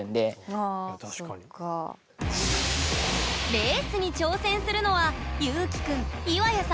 レースに挑戦するのはゆうきくん岩谷さん